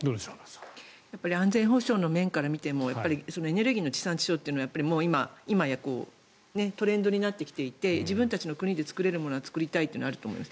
安全保障の面から見てもエネルギーの地産地消は今やトレンドになってきていて自分たちの国で作れるものは作りたいというのがあると思います。